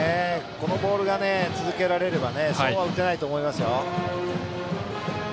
このボールが続けられればそうは打てないと思いますよ。